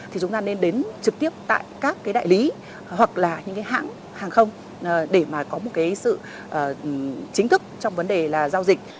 thì chúng ta nên đến trực tiếp tại các cái đại lý hoặc là những cái hãng hàng không để mà có một cái sự chính thức trong vấn đề là giao dịch